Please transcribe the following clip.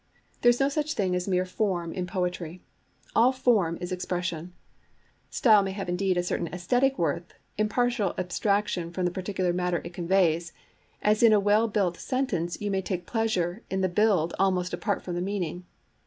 There is no such thing as mere form in poetry. All form is expression. Style may have indeed a certain aesthetic worth in partial abstraction from the particular matter it conveys, as in a well built sentence you may take pleasure in the build almost apart from the meaning.